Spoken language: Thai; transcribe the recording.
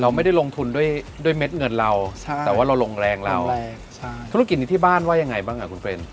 ไม่ได้ลงทุนด้วยเม็ดเงินเราแต่ว่าเราลงแรงเราแรงใช่ธุรกิจนี้ที่บ้านว่ายังไงบ้างอ่ะคุณเฟรน